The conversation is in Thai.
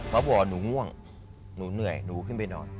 มาบอกหนูง่วงหนูเหนื่อยหนูขึ้นไปนอน